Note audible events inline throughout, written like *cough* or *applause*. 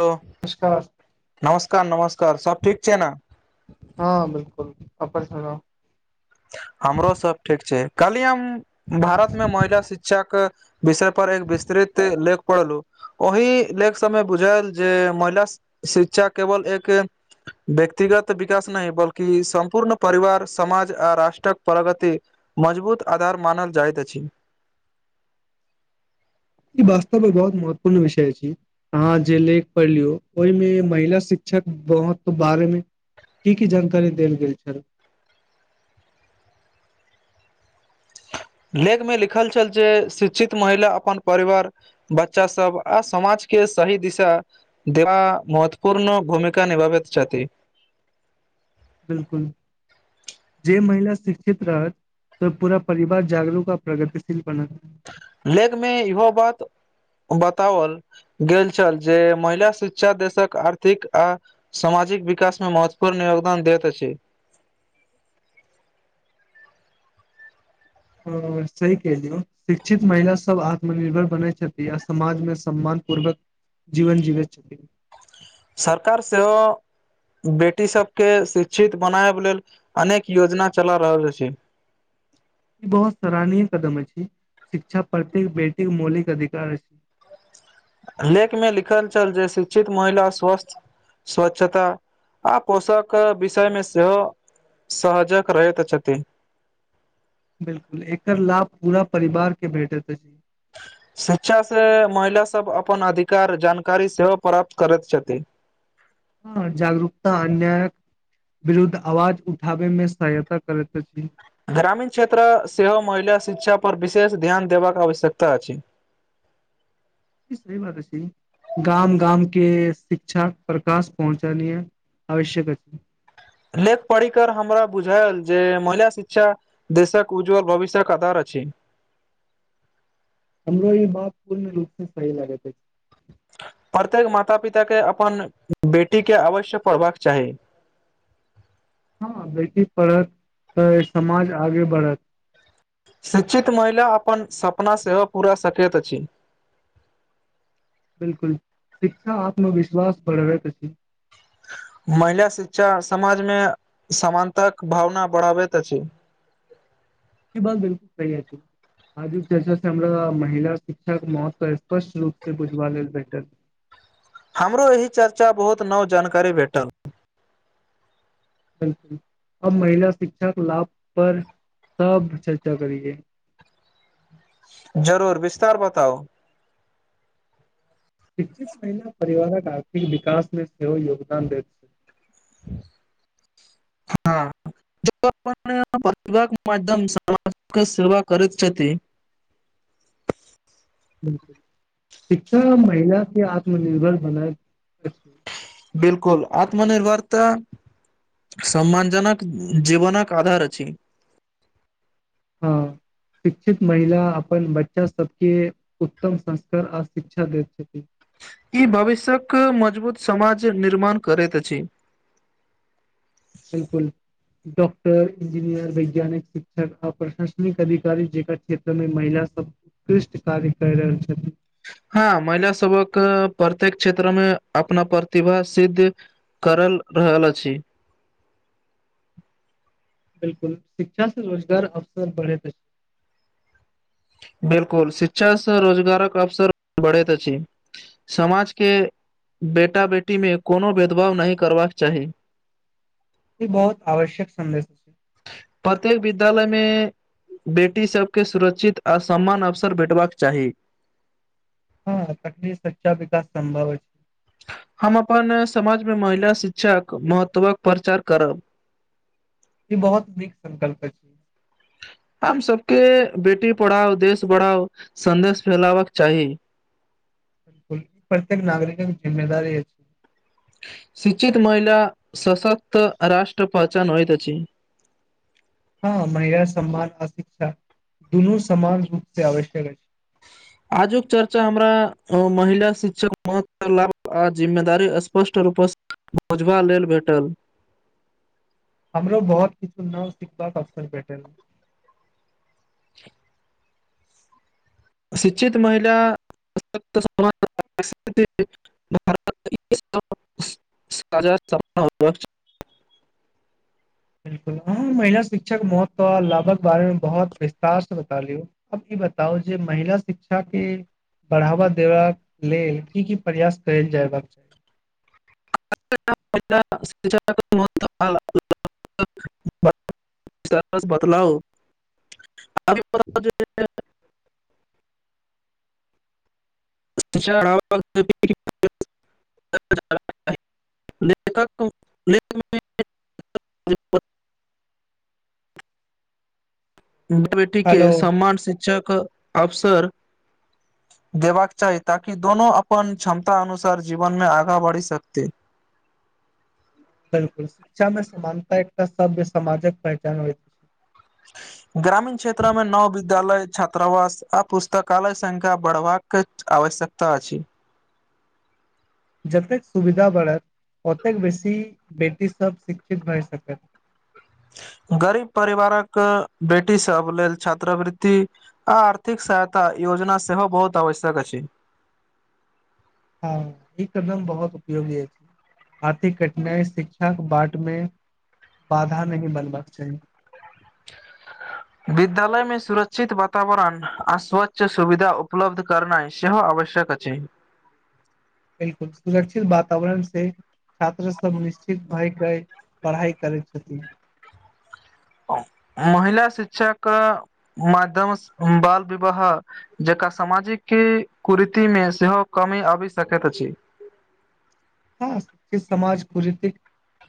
Hello नमस्कार नमस्कार नमस्कार सब ठीक छै ने हँ बिलकुल अपन सुनाअ हमरो सब ठीक छै कल्हि हम भारतमे महिला शिक्षाके विषय पर एक विस्तृत लेख पढ़लहुँ ओहि लेख सबमे बुझायल जे महिला शिक्षा केवल एक व्यक्तिगत विकास नहि बल्कि सम्पूर्ण परिवार समाज राष्ट्रक प्रगति मजबूत आधार मानल जाइत अछि ई वास्तव बहुत महत्वपूर्ण विषय अछि अहाँ जे लेख पढ़लियौ ओहिमे महिला शिक्षक बहुत बारेमे की की जानकारी देल गेल छल लेख मे लिखल छल जे शिक्षित महिला अपन परिवार बच्चा सब आ समाजकेँ सही दिशा दवा महत्वपूर्ण भूमिका निभाबैत छथि बिलकुल जे महिला शिक्षित रहत तऽ पूरा परिवार जागरूक आ प्रगतिशील बनत लेखमे इहो बात बतावल गेल छल जे महिला शिक्षा देशक आर्थिक आ सामाजिक विकास मे महत्वपूर्ण योगदान दैत अछि हँ सही कहलियै शिक्षित महिला सभ आत्मनिर्भर बनैत छथि आ समाजमे सम्मान पूर्वक जीवन जीवैत छथि सरकार सेहो बेटी सबकेँ शिक्षित बनायब लेल अनेक योजना चला रहल छै ई बहुत सराहनीय कदम छै शिक्षा प्रति बेटीक मौलिक अधिकार अछि लेख मे लिखल छल जे शिक्षित महिला स्वस्थ स्वच्छता आ पोषक विषयमे सेहो सहजक रहैत छथि बिलकुल एकर लाभ पूरा परिवारकेँ भेटैत अछि शिक्षा से महिला सभ अपन अधिकार जानकारी सेहो प्राप्त करैत छथि हँ जागरूकता अन्यायक विरुद्ध आवाज उठाबे मे सहायता करैत अछि ग्रामीण क्षेत्र सेहो महिला शिक्षा पर विशेष ध्यान देबाक आवश्यकता अछि ई सही बात अछि गाम गाम केँ शिक्षा प्रकाश पहुँचेनाय आवश्यक अछि लेख पढ़ि कर हमरा बुझायल जे महिला शिक्षा देशक उज्ज्वल भविष्यक आधार अछि हमरो ई बात पूर्ण रूपे सही लागैत अछि प्रत्येक माता पिता केँ अपन बेटी केँ अवश्य पढ़बाक चाही हँ बेटी पढ़त तऽ ई समाज आगे बढ़त शिक्षित महिला अपन सपना सेहो पूरा सकैत अछि बिल्कुल शिक्षा आत्मविश्वास बढ़बैत अछि महिला शिक्षा समाजमे समानताक भावना बढ़ाबैत अछि ई बात बिल्कुल सही अछि आजुक चर्चा से हमरा महिला शिक्षा केँ महत्व स्पष्ट रूप से बुझबा लेल भेटल हमरो एहि चर्चा बहुत नव जानकारी भेटल बिल्कुल अब महिला शिक्षा कऽ लाभ पर सब चर्चा करियै जरूर विस्तार बताउ शिक्षित महिला परिवारक आर्थिक विकास मे सेहो योगदान देैत छै *inaudible* हँ जो अपन प्रतिभा कऽ माध्यम सँ सामाज कऽ सेेवा करैत छथि बिल्कुल शिक्षा महिला केँ आत्मनिर्भर बनायत अछि बिलकुल आत्मनिर्भरता सम्मान जनक जीवनक आधार अछि हँ शिक्षित महिला अपन बच्चा सबके उत्तम संस्कार आ शिक्षा दैत छथिन ई भविष्यक मजबूत समाज निर्माण करैत अछि बिल्कुल डॉक्टर इंजीनियर वैज्ञानिक शिक्षक आ प्रशासनिक अधिकारी जेकर क्षेत्रमे महिला सब उतकृष्ट कार्य कैय रहल छथिन। हँ महिला सबक प्रत्येक क्षेत्र मे अपना प्रतिभा सिद्ध करल रहल अछि बिलकुल शिक्षा से रोजगार अवसर बढैत अछि। बिल्कुल शिक्षा से रोजगारक अवसर बढ़ैत अछि समाजके बेटा बेटीमे कोनो भेदभाव नहि करबाक चाही ई बहुत आवश्यक सन्देश। प्रत्येक विद्यालय मे बेटी सबके सुरक्षित आ समान अवसर भेटबाक चाही। हँ तखने सच्चा विकास संभव अछि। हम अपन समाजमे महिला शिक्षाक महत्वक प्रचार करब ई बहुत नीक संकल्प अछि। आब सबके बेटी पढ़ाओ देश बढ़ाओ सन्देश फैलावक चाही बिलकुल प्रत्येक नागरिकक जिम्मेदारी अछि शिक्षित महिला सशक्त आ राष्ट्र पहचान होइत अछि हँ महिला सम्मान आ शिक्षा दुनू समान रूप से आवश्यक अछि आजुक चर्चा हमरा महिला शिक्षाक महत्व लाभ आ जिम्मेदारी स्पष्ट रूप सँ बुझबा लेल भेटल हमरो बहुत किछु नव सिखबाक अवसर भेटल शिक्षित महिला *unintelligible* *unintelligible* बिल्कुल अहाँ महिला शिक्षक भऽ कऽ लाभक बारेमे बहुत विस्तारसँ बता लियौ अब ई बताउ जे महिला शिक्षा के बढ़ावा देबाक लेल की की प्रयास कएल जएबाक चाही *unintelligible* बदलाउ *unintelligible* *unintelligible* लेखक लेख *unintelligible* बे *unintelligible* बेटी के हेलो समान शिक्षक अबसर देबाक चाही ताकि दोनो अपन क्षमता अनुसार जीवन मे आगाँ बढ़ि सकतै बिलकुल शिक्षामे समानता एकटा सभ्य समाजक पहचान होइत अछि *inaudible* ग्रामीण क्षेत्र मे नव विद्यालय छात्रावास आ पुस्तकालय संख्या बढ़बाक क आवश्यकता अछि। जतेक सुविधा बढ़त ओतेक बेसी बेटी सभ शिक्षित भए सकत गरीब परिवारक बेटी सब लेल छात्रवृति आ आर्थिक सहायता योजना सेहो बहुत आवश्यक अछि। हँ ई कदम बहुत उपयोगी अछि। आर्थिक कठिनाइ शिक्षाक बाट मे बाधा नहि बनबाक चाही विद्यालय मे सुरक्षित वातावरण आ स्वच्छ सुविधा उपलब्ध। करनाई सेहो आवश्यक अछि बिलकुल सुरक्षित वातावरण से छात्र सब निश्चित भएके पढ़ाइ करै छथि महिला शिक्षाके माध्यमसँ बाल विवाह जकरा सामाजिक कुरीतिमे सेहो कमी आबि सकैत अछि हँ समाज कुरीति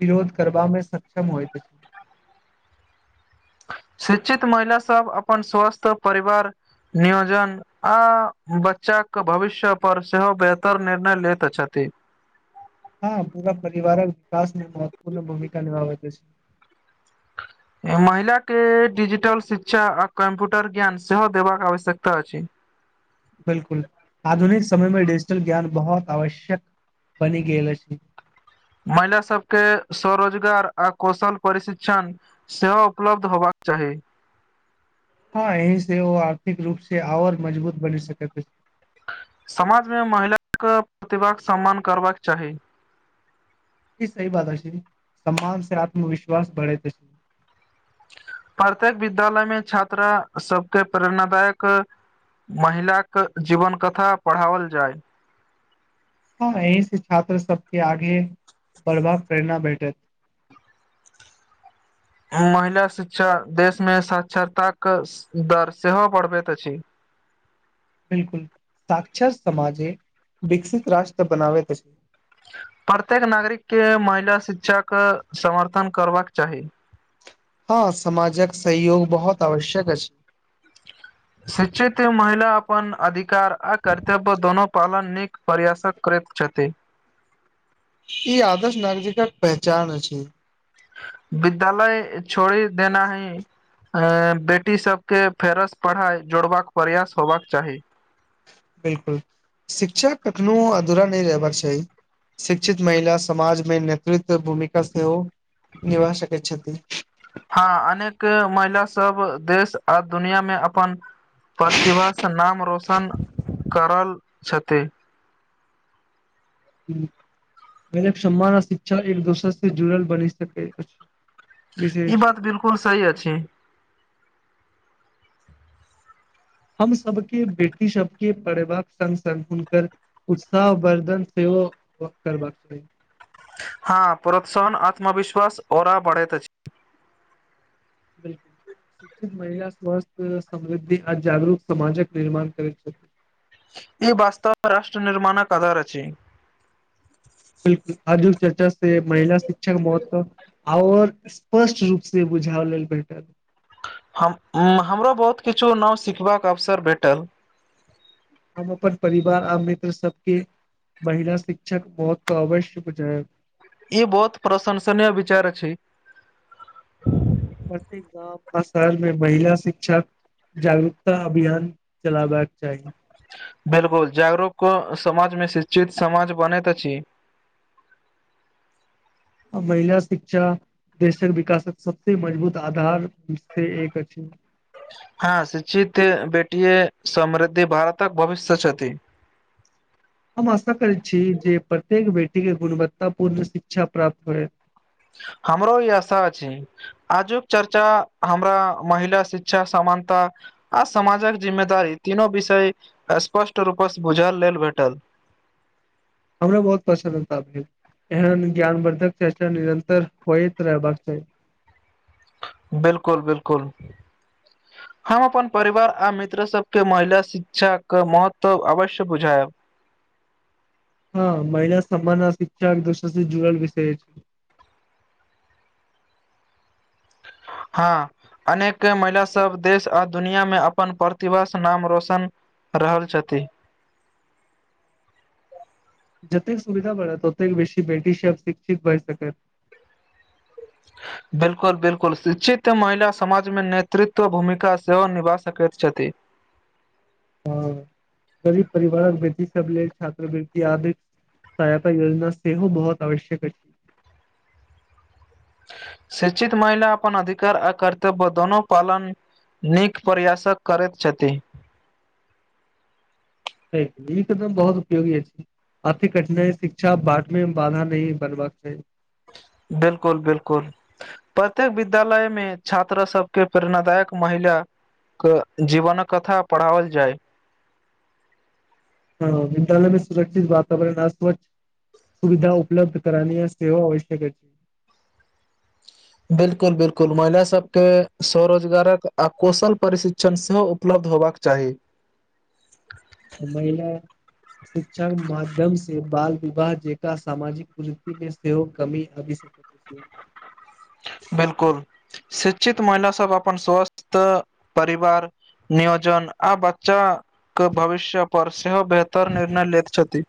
विरोध करवामे सक्षम होइ‌ शिक्षित महिला सब अपन स्वस्थ परिवार नियोजन ओ बच्चाके भविष्य पर सेहो बेहतर निर्णय लैत छथि हँ पूरा परिवारक विकास मे महत्वपूर्ण भूमिका निभाबे अछि महिलाके डिजिटल शिक्षा आ कम्प्यूटर ज्ञान सेहो देबाक आवश्यकता अछि बिलकुल आधुनिक समयमे डिजिटल ज्ञान बहुत आवश्यक बनि गेल अछि महिला सबके स्वरोजगार आ कौशल प्रशिक्षण सेहो उपलब्ध होबाक चाहि हँ यहीं सेहो आर्थिक रूप से आओर मजबूत बनि सकैत अछि समाजमे महिलाके प्रतिभाक सम्मान करबाक चाहि ई सही बात अछि समान से आत्मविश्वास बढ़ेत प्रत्येक विद्यालय मे छात्रा सबके प्रेरणादायक महिलाक के जीवन कथा पढ़ाओल जाय हँ यहीं से छात्र सबके आगे बढ़बा प्रेरणा भेटैत महिला शिक्षा देशमे साक्षरताक दर सेहो बढ़बैत अछि बिलकुल साक्षर समाजे विकसित राष्ट्र बनाबैत छै प्रत्येक नागरिक के महिला शिक्षाके समर्थन करबाक चाहि हँ समाजक सहयोग बहुत आवश्यक छै शिक्षित महिला अपन अधिकार आ कर्तव्य दोनो पालन प्रयासक करैत छथि ई आदर्श नागरिकक पहचान अछि विद्यालय छोड़ि देना ही अ बेटी सब के फेरस पढ़ाई जोड़बाक प्रयास होबाक चाहि बिलकुल शिक्षा कखनो अधूरा नहि रहबाक चाहि शिक्षित महिला समाजमे नेतृत्व भूमिका सेहो निभा सकैत छथिन हँ अनेक महिला सब देश आ दुनिया मे अपन प्रतिभासँ नाम रौशन करल छथि सम्मान आ शिक्षा एक दोसर से जुड़ल बनी सकैत अछि ई विशेष बात बिलकुल सही अछि हम सभके बेटी सबके पढ़ेबाक संग संग हुनकर उत्साह वर्धन सेहो करबाक चाहि हँ प्रोत्साहन आत्मविश्वास ओरा बढ़ैत अछि महिला स्वस्थ समृद्धि आ जागरूक समाजक निर्माण करैत छै ई वास्तव राष्ट्र निर्माणक अधार अछि आधुनिक चर्चा से महिला शिक्षा महत्व और स्पष्ट रूप से बुझाव लेल भेटल हम हमरो बहुत किछु नाव सिखबाक अवसर भेटल ओकर परिवार आ मित्र सबके महिला शिक्षक महत्व अवश्य बुझएब ई बहुत प्रशंसनीय विचार अछि प्रत्येक गाँव आ शहरमे महिला शिक्षक जागरूकता अभियान चलाबेक के चाहि बिलकुल जागरूक समाजमे शिक्षित समाज बनैत अछि महिला शिक्षा देशक विकासक सबसे मजबूत आधार से एक अछि हँ शिक्षित बेटीए समृद्धि भारतक भवष्यत छथि हम आशा करै छी जे प्रत्येक बेटीके गुणवत्ताापूर्ण शिक्षा प्राप्त होए हमरो ई आशा अछी आजुक चर्चा हमरा महिला शिक्षा समानता आ समाजक जिम्मेदारी तीनो विषय स्पष्ट रूप से बुझल लेल भेटल अछि हमरो बहुत प्रसन्नता भेल एहन ज्ञानवर्द्धक चर्चा निरंतर होत रहबाका चाहि बिलकुल बिलकुल हम अपन परिवार आ मित्र सबके महिला शिक्षाके महत्व अवश्य बुझाब हँ महिला समान शिक्षा दोष जुड़ल विषय छै हँ अनेक महिला सब देश आ दुनियामे अपन प्रतिभा सँ नाम रोशन रहल छथि जतेक सुविधा बढ़त ओतेक बेसी बेटीसँ शिक्षित भए सकैत *inaudible* बिलकुल बिलकुल शिक्षित महिला समाजमे नेतृत्व भूमिका सेहो निभा सकैत छथि ह गरीब परिवारक बेटी सब लेल छात्रवृति आधिक सहायता योजना सेहो बहुत आवश्यक अछि शिक्षित महिला अपन अधिकार आ कर्तव्य दुनो पालन नीक प्रयासक करैत छथि ई एकदम बहुत उपयोगी अछि आर्थिक कठिनाइ शिक्षा बाट मे बाधा नहि बनबाक चाहि बिल्कुल बिल्कुल प्रत्येक विद्यालय मे छात्र सबके प्रेरणादायक महिला जीवनक कथा पढ़ाओल जाइ हँ विद्यालय मे सुरक्षित वातावरण आ स्वच्छ सुविधा उपलब्ध करानिये सेहो आवश्यक छै बिलकुल बिलकुल महिला सब के स्वरोजगारक कौशल परीक्षण चण सेहो उपलब्ध होयबाक चाहि महिला शिक्षाके माध्यम से बाल विवाह जे एकटा सामाजिक कुरूति मे सेहो कमी आबि सकैत अछि बिल्कुल शिक्षित महिला सब अपन स्वस्थ परिवार नियोजन आ बच्चाके भविष्य पर सेहो बेहतर निर्णय लैत छथि